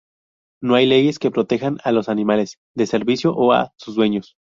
No hay leyes que protejan a los animales de servicio o a sus dueños.